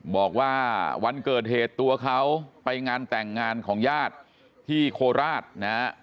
บอกว่าวันเกิดเหตุตัวเขาไปงานแต่งงานของญาติที่โคราชนะฮะ